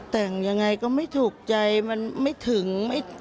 แต่งยังไงก็ไม่ถูกใจมันไม่ถึง